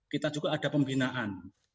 kita juga ada pembinaan